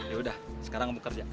yaudah sekarang kamu kerja